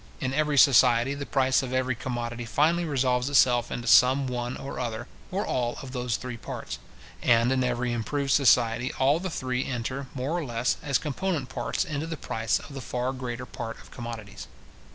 In every society, the price of every commodity finally resolves itself into some one or other, or all of those three parts; and in every improved society, all the three enter, more or less, as component parts, into the price of the far greater part of commodities.